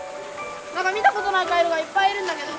何か見たことないカエルがいっぱいいるんだけど。